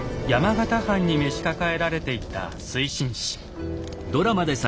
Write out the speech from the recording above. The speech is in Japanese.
山形藩に召し抱えられていた水心子。